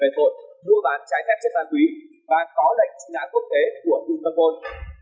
về tội mua bán trái thép chất ma túy và có lệnh truy nã quốc tế của dung cơ côn